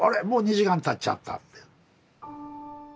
もう２時間経っちゃったって。